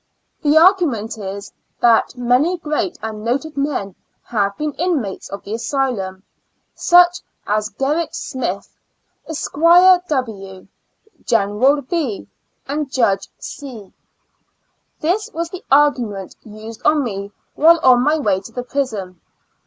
The argument is, that many great and noted men have been inmates of the asylum, such as Gerrit Smith, Esquire W., General B. and Judge C. This was the argument used on me while on my way to the prison.